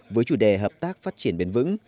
với chủ đề hợp tác phát triển biến vững